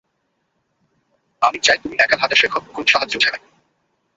আমি চাই তুমি একা হাঁটা শেখো, কোন সাহায্য ছাড়াই।